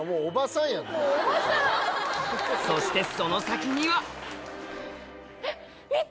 そしてその先には！